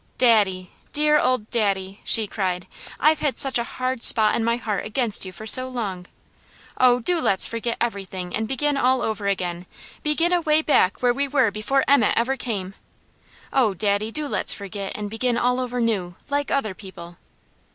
"Daddy! Dear old Daddy!" she cried. "I've had such a hard spot in my heart against you for so long. Oh do let's forget everything, and begin all over again; begin away back where we were before Emmet ever came. Oh Daddy, do let's forget, and begin all over new, like other people!"